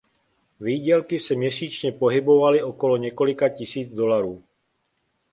Výdělky se měsíčně pohybovaly okolo několika tisíc dolarů.